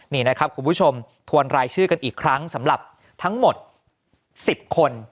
นี่นะครับคุณผู้ชมทวนรายชื่อกันอีกครั้งสำหรับทั้งหมด๑๐คน